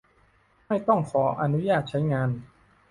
ไม่ต้องขออนุญาตใช้งาน